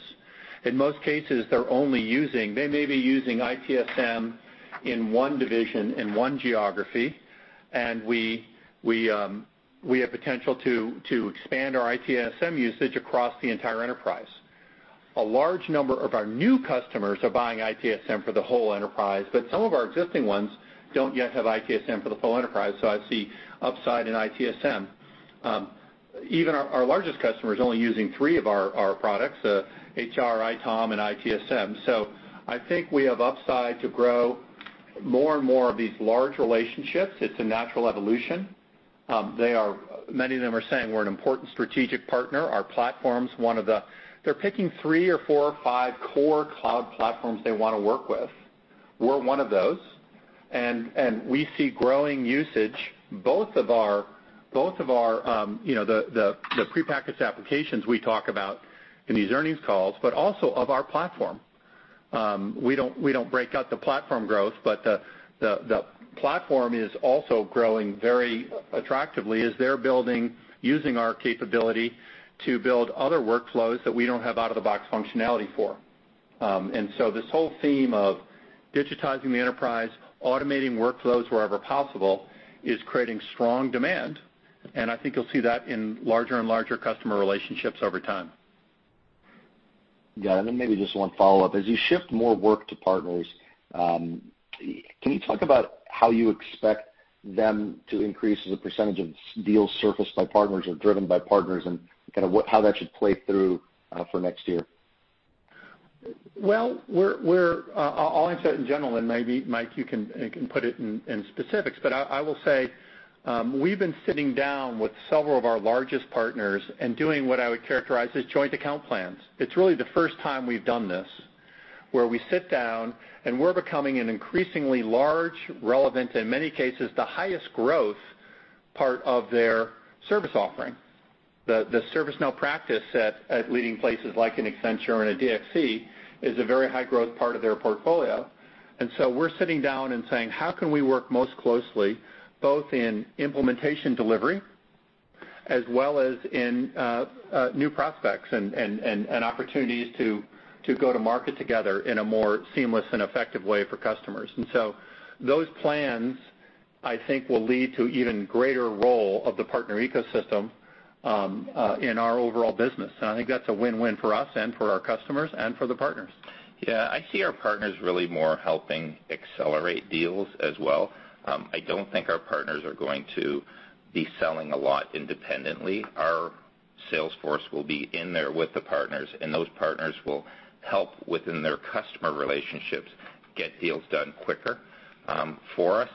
In most cases, they're only using ITSM in one division, in one geography, and we have potential to expand our ITSM usage across the entire enterprise. A large number of our new customers are buying ITSM for the whole enterprise, but some of our existing ones don't yet have ITSM for the full enterprise, so I see upside in ITSM. Even our largest customer is only using three of our products, HR, ITOM, and ITSM. I think we have upside to grow more and more of these large relationships. It's a natural evolution. Many of them are saying we're an important strategic partner. They're picking three or four or five core cloud platforms they want to work with. We're one of those. We see growing usage, both of the prepackaged applications we talk about in these earnings calls, but also of our platform. We don't break out the platform growth, but the platform is also growing very attractively as they're building using our capability to build other workflows that we don't have out-of-the-box functionality for. This whole theme of digitizing the enterprise, automating workflows wherever possible, is creating strong demand. I think you'll see that in larger and larger customer relationships over time. Got it. Maybe just one follow-up. As you shift more work to partners, can you talk about how you expect them to increase the percentage of deals surfaced by partners or driven by partners, and how that should play through for next year? I'll answer it in general, and maybe, Mike, you can put it in specifics. I will say, we've been sitting down with several of our largest partners and doing what I would characterize as joint account plans. It's really the first time we've done this, where we sit down, and we're becoming an increasingly large, relevant, in many cases, the highest growth part of their service offering. The ServiceNow practice at leading places like an Accenture and a DXC is a very high-growth part of their portfolio. We're sitting down and saying, how can we work most closely, both in implementation delivery as well as in new prospects and opportunities to go to market together in a more seamless and effective way for customers? Those plans, I think, will lead to even greater role of the partner ecosystem in our overall business. I think that's a win-win for us and for our customers and for the partners. Yeah, I see our partners really more helping accelerate deals as well. I don't think our partners are going to be selling a lot independently. Our sales force will be in there with the partners, and those partners will help within their customer relationships get deals done quicker for us.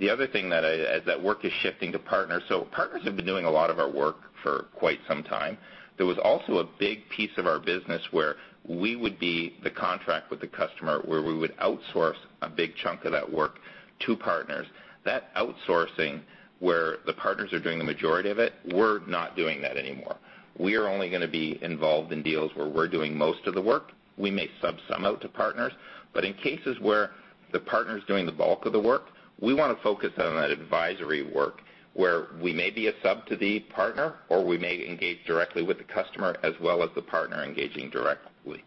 The other thing that as that work is shifting to partners have been doing a lot of our work for quite some time. There was also a big piece of our business where we would be the contract with the customer, where we would outsource a big chunk of that work to partners. That outsourcing, where the partners are doing the majority of it, we're not doing that anymore. We are only going to be involved in deals where we're doing most of the work. We may sub some out to partners, but in cases where the partner's doing the bulk of the work, we want to focus on that advisory work where we may be a sub to the partner, or we may engage directly with the customer as well as the partner engaging directly.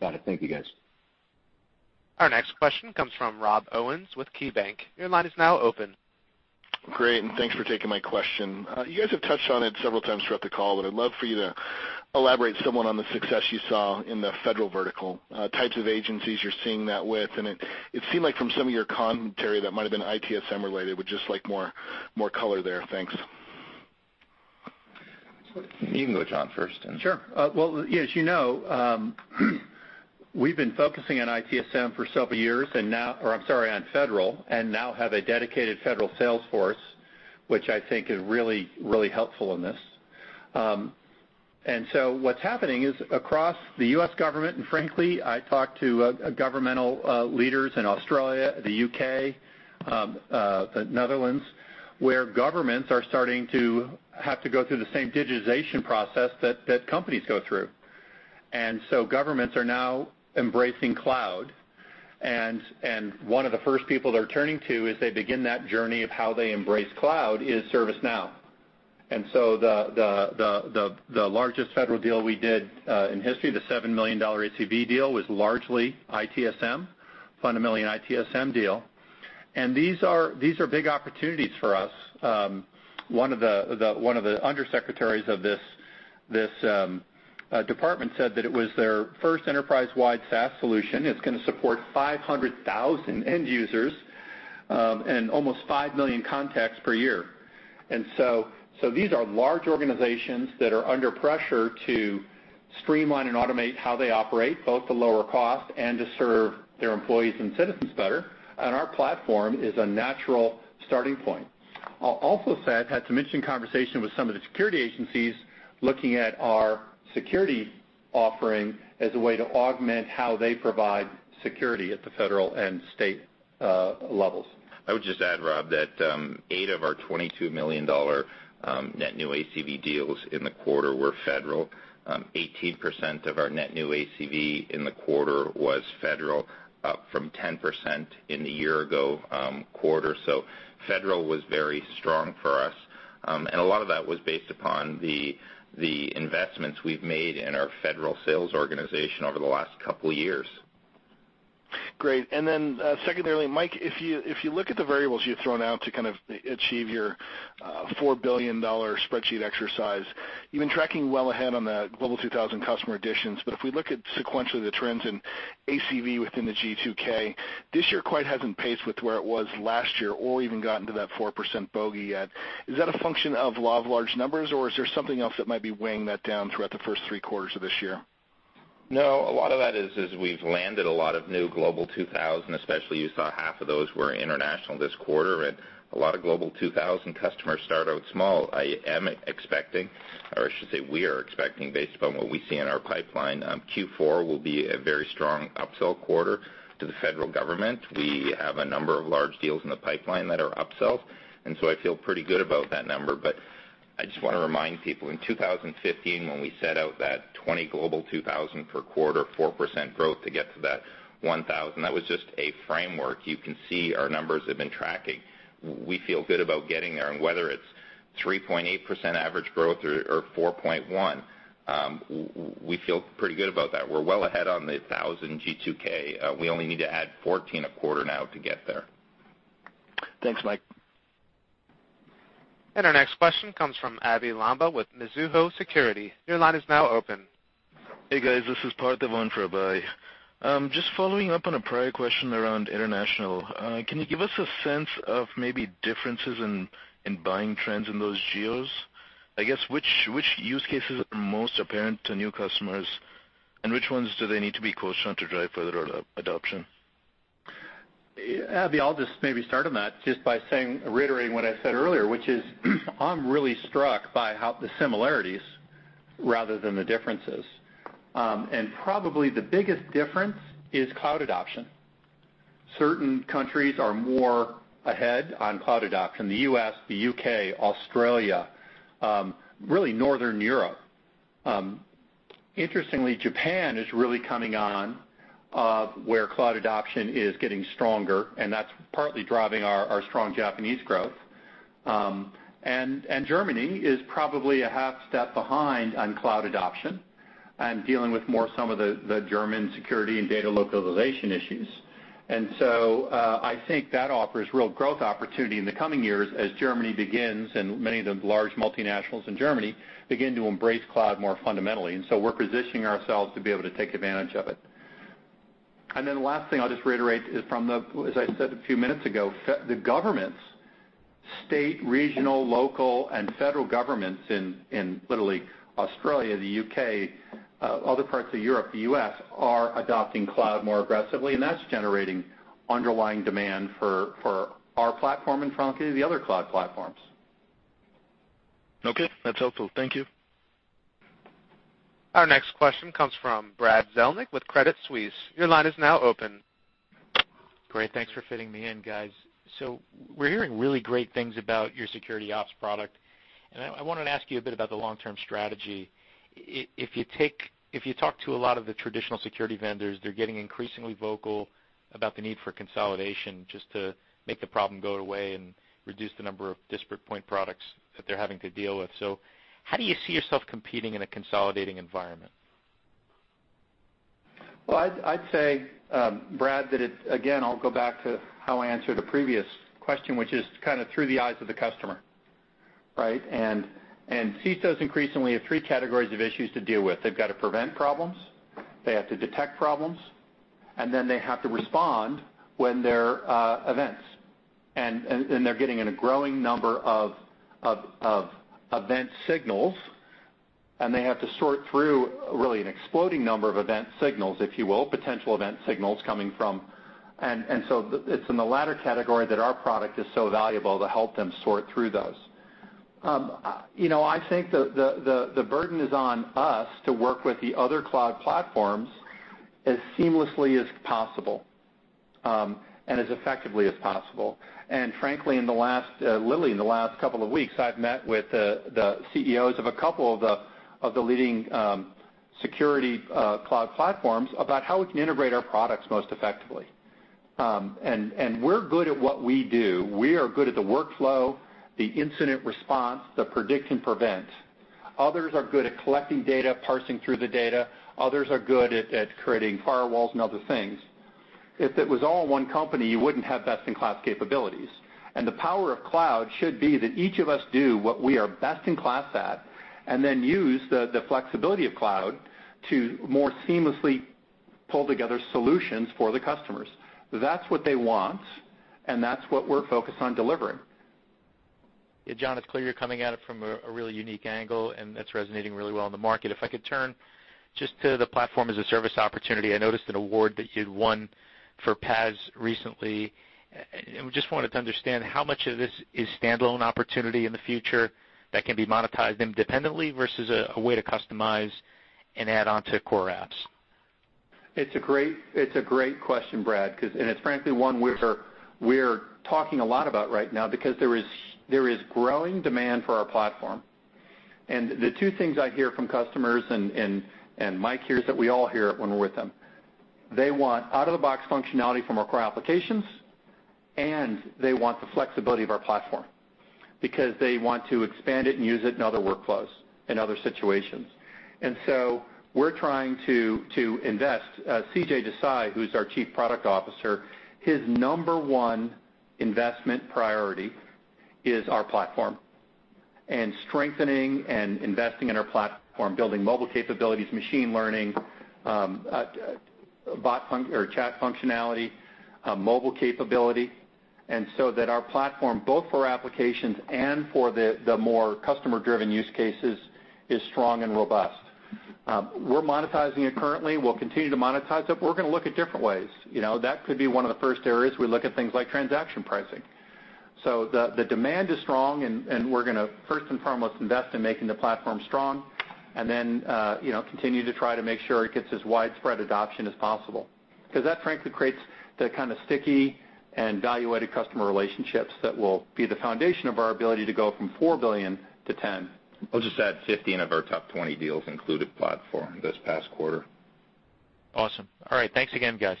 Got it. Thank you, guys. Our next question comes from Rob Owens with KeyBank. Your line is now open. Great, thanks for taking my question. You guys have touched on it several times throughout the call, but I'd love for you to elaborate somewhat on the success you saw in the federal vertical, types of agencies you're seeing that with, and it seemed like from some of your commentary that might have been ITSM related, would just like more color there. Thanks. You can go, John, first. Sure. Well, as you know, we've been focusing on ITSM for several years, on federal, and now have a dedicated federal sales force, which I think is really helpful in this. What's happening is across the U.S. government, and frankly, I talk to governmental leaders in Australia, the U.K., the Netherlands, where governments are starting to have to go through the same digitization process that companies go through. Governments are now embracing cloud. One of the first people they're turning to as they begin that journey of how they embrace cloud is ServiceNow. The largest federal deal we did in history, the $7 million ACV deal, was largely ITSM, fundamentally an ITSM deal. These are big opportunities for us. One of the undersecretaries of this department said that it was their first enterprise-wide SaaS solution. It's going to support 500,000 end users, and almost 5 million contacts per year. These are large organizations that are under pressure to streamline and automate how they operate, both to lower cost and to serve their employees and citizens better, and our platform is a natural starting point. I'll also say I had some interesting conversation with some of the security agencies looking at our security offering as a way to augment how they provide security at the federal and state levels. I would just add, Rob, that 8 of our 22 million-dollar net new ACV deals in the quarter were federal. 18% of our net new ACV in the quarter was federal, up from 10% in the year ago quarter. Federal was very strong for us. A lot of that was based upon the investments we've made in our federal sales organization over the last couple of years. Great. Secondarily, Mike, if you look at the variables you've thrown out to kind of achieve your $4 billion spreadsheet exercise, you've been tracking well ahead on the Global 2000 customer additions. If we look at sequentially the trends in ACV within the G2K, this year quite hasn't paced with where it was last year or even gotten to that 4% bogey yet. Is that a function of law of large numbers, or is there something else that might be weighing that down throughout the first 3 quarters of this year? A lot of that is we've landed a lot of new Global 2000, especially you saw half of those were international this quarter. A lot of Global 2000 customers start out small. I am expecting, or I should say we are expecting, based upon what we see in our pipeline, Q4 will be a very strong upsell quarter to the federal government. We have a number of large deals in the pipeline that are upsells. I feel pretty good about that number. I just want to remind people, in 2015, when we set out that 20 Global 2000 per quarter, 4% growth to get to that 1,000, that was just a framework. You can see our numbers have been tracking. We feel good about getting there. Whether it's 3.8% average growth or 4.1%, we feel pretty good about that. We're well ahead on the 1,000 G2K. We only need to add 14 a quarter now to get there. Thanks, Mike. Our next question comes from Abhey Lamba with Mizuho Securities. Your line is now open. Hey, guys. This is Parthivan for Abhey. Just following up on a prior question around international, can you give us a sense of maybe differences in buying trends in those geos? I guess which use cases are most apparent to new customers, and which ones do they need to be coached on to drive further adoption? Abhey, I'll just maybe start on that just by reiterating what I said earlier, which is I'm really struck by the similarities rather than the differences. Probably the biggest difference is cloud adoption. Certain countries are more ahead on cloud adoption, the U.S., the U.K., Australia, really northern Europe. Interestingly, Japan is really coming on, where cloud adoption is getting stronger, and that's partly driving our strong Japanese growth. Germany is probably a half-step behind on cloud adoption and dealing with more some of the German security and data localization issues. I think that offers real growth opportunity in the coming years as Germany begins, and many of the large multinationals in Germany begin to embrace cloud more fundamentally. We're positioning ourselves to be able to take advantage of it. The last thing I'll just reiterate is from the, as I said a few minutes ago, the governments, state, regional, local, and federal governments in literally Australia, the U.K., other parts of Europe, the U.S., are adopting cloud more aggressively, and that's generating underlying demand for our platform and frankly, the other cloud platforms. Okay. That's helpful. Thank you. Our next question comes from Brad Zelnick with Credit Suisse. Your line is now open. Great. Thanks for fitting me in, guys. We're hearing really great things about your Security Operations product, and I wanted to ask you a bit about the long-term strategy. If you talk to a lot of the traditional security vendors, they're getting increasingly vocal about the need for consolidation just to make the problem go away and reduce the number of disparate point products that they're having to deal with. How do you see yourself competing in a consolidating environment? Well, I'd say, Brad, that Again, I'll go back to how I answered the previous question, which is kind of through the eyes of the customer, right? CISOs increasingly have 3 categories of issues to deal with. They've got to prevent problems, they have to detect problems, and then they have to respond when there are events. They're getting a growing number of event signals, and they have to sort through really an exploding number of event signals, if you will, potential event signals coming from. It's in the latter category that our product is so valuable to help them sort through those. I think the burden is on us to work with the other cloud platforms as seamlessly as possible, and as effectively as possible. Frankly, literally in the last couple of weeks, I've met with the CEOs of a couple of the leading security cloud platforms about how we can integrate our products most effectively. We're good at what we do. We are good at the workflow, the incident response, the predict and prevent. Others are good at collecting data, parsing through the data. Others are good at creating firewalls and other things. If it was all one company, you wouldn't have best-in-class capabilities. The power of cloud should be that each of us do what we are best-in-class at, and then use the flexibility of cloud to more seamlessly pull together solutions for the customers. That's what they want, and that's what we're focused on delivering. Yeah, John, it's clear you're coming at it from a really unique angle, and it's resonating really well in the market. If I could turn just to the Platform as a Service opportunity, I noticed an award that you'd won for PaaS recently. Just wanted to understand how much of this is standalone opportunity in the future that can be monetized independently versus a way to customize and add on to core apps? It's a great question, Brad, it's frankly one we're talking a lot about right now because there is growing demand for our platform. The two things I hear from customers, Mike hears it, we all hear it when we're with them, they want out-of-the-box functionality from our core applications, they want the flexibility of our platform because they want to expand it and use it in other workflows, in other situations. We're trying to invest. CJ Desai, who's our Chief Product Officer, his number one investment priority is our platform, strengthening and investing in our platform, building mobile capabilities, machine learning, chat functionality, mobile capability that our platform, both for applications and for the more customer-driven use cases, is strong and robust. We're monetizing it currently, we'll continue to monetize it, we're going to look at different ways. That could be one of the first areas we look at things like transaction pricing. The demand is strong, we're going to first and foremost invest in making the platform strong then continue to try to make sure it gets as widespread adoption as possible. That frankly creates the kind of sticky and valuated customer relationships that will be the foundation of our ability to go from $4 billion to $10 billion. I'll just add, 15 of our top 20 deals included platform this past quarter. Awesome. All right. Thanks again, guys.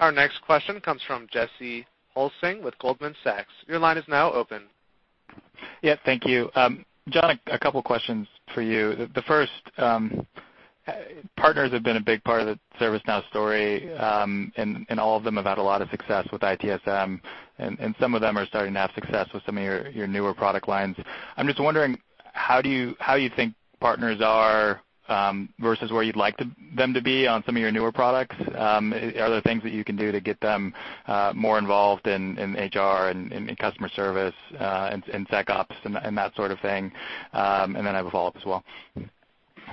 Our next question comes from Jesse Hulsing with Goldman Sachs. Your line is now open. Yeah, thank you. John, a couple questions for you. The first, partners have been a big part of the ServiceNow story. All of them have had a lot of success with ITSM, and some of them are starting to have success with some of your newer product lines. I'm just wondering how you think partners are versus where you'd like them to be on some of your newer products. Are there things that you can do to get them more involved in HR, in customer service, and SecOps, and that sort of thing? Then I have a follow-up as well.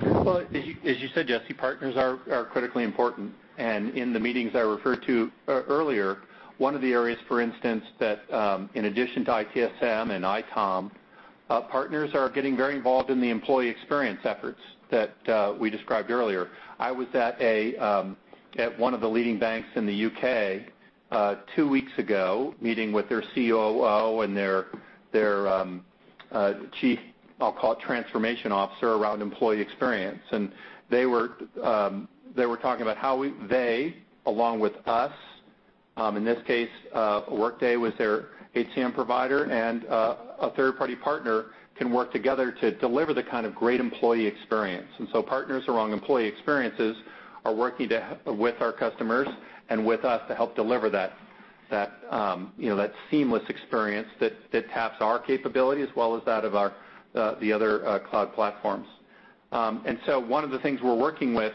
Well, as you said, Jesse, partners are critically important. In the meetings I referred to earlier, one of the areas, for instance, that in addition to ITSM and ITOM, partners are getting very involved in the employee experience efforts that we described earlier. I was at one of the leading banks in the U.K. two weeks ago, meeting with their COO and their chief, I'll call it transformation officer, around employee experience. They were talking about how they, along with us, in this case, Workday was their HCM provider and a third-party partner can work together to deliver the kind of great employee experience. So partners around employee experiences are working with our customers and with us to help deliver that seamless experience that taps our capability as well as that of the other cloud platforms. One of the things we're working with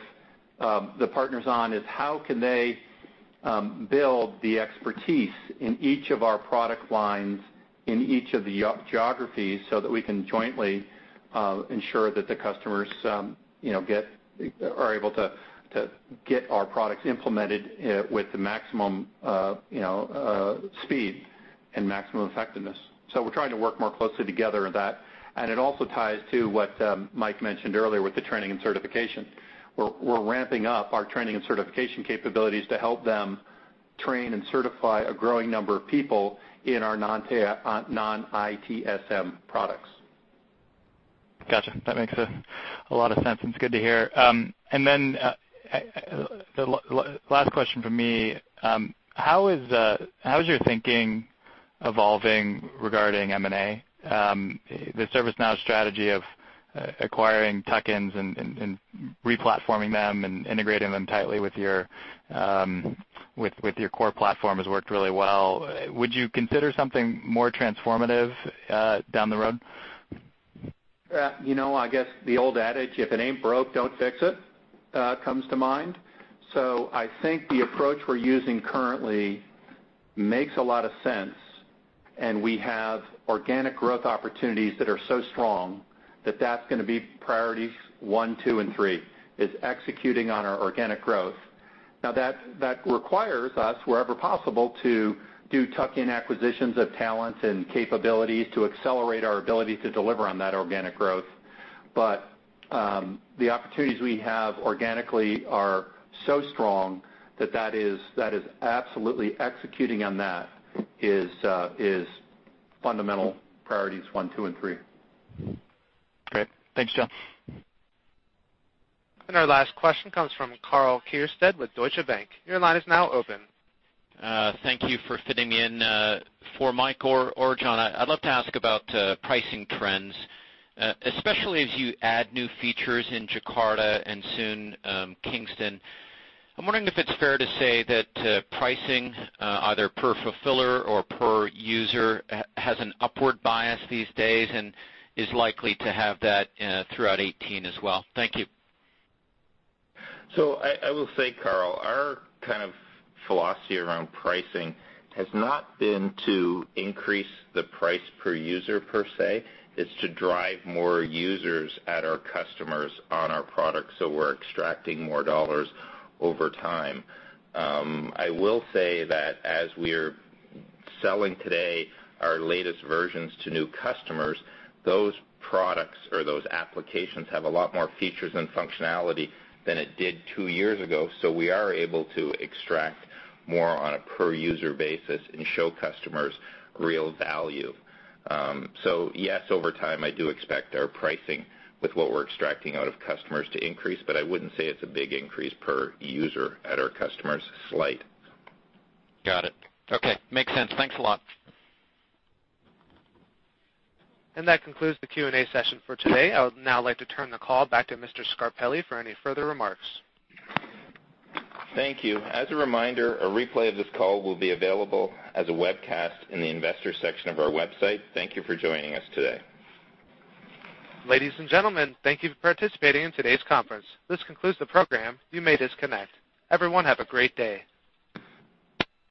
the partners on is how can they build the expertise in each of our product lines, in each of the geographies, that we can jointly ensure that the customers are able to get our products implemented with the maximum speed and maximum effectiveness. We're trying to work more closely together on that. It also ties to what Mike mentioned earlier with the training and certification. We're ramping up our training and certification capabilities to help them train and certify a growing number of people in our non-ITSM products. Got you. That makes a lot of sense, and it's good to hear. The last question from me. How is your thinking evolving regarding M&A? The ServiceNow strategy of acquiring tuck-ins, and re-platforming them, and integrating them tightly with your core platform has worked really well. Would you consider something more transformative down the road? I guess the old adage, "If it ain't broke, don't fix it," comes to mind. I think the approach we're using currently makes a lot of sense, and we have organic growth opportunities that are so strong that that's going to be priorities one, two, and three, is executing on our organic growth. Now that requires us, wherever possible, to do tuck-in acquisitions of talent and capabilities to accelerate our ability to deliver on that organic growth. The opportunities we have organically are so strong that that is absolutely executing on that is fundamental priorities one, two, and three. Great. Thanks, John. Our last question comes from Karl Keirstead with Deutsche Bank. Your line is now open. Thank you for fitting me in for Mike or John. I'd love to ask about pricing trends, especially as you add new features in Jakarta and soon Kingston. I'm wondering if it's fair to say that pricing, either per fulfiller or per user, has an upward bias these days and is likely to have that throughout 2018 as well. Thank you. I will say, Karl, our kind of philosophy around pricing has not been to increase the price per user per se. It's to drive more users at our customers on our product, so we're extracting more dollars over time. I will say that as we're selling today our latest versions to new customers, those products or those applications have a lot more features and functionality than it did two years ago. We are able to extract more on a per-user basis and show customers real value. Yes, over time, I do expect our pricing with what we're extracting out of customers to increase, but I wouldn't say it's a big increase per user at our customers. Slight. Got it. Okay. Makes sense. Thanks a lot. That concludes the Q&A session for today. I would now like to turn the call back to Mr. Scarpelli for any further remarks. Thank you. As a reminder, a replay of this call will be available as a webcast in the Investors section of our website. Thank you for joining us today. Ladies and gentlemen, thank you for participating in today's conference. This concludes the program. You may disconnect. Everyone have a great day.